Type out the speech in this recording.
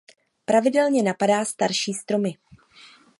Pravidelně napadá starší stromy.